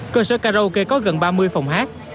cơ sở karaoke có gần ba mươi phòng hát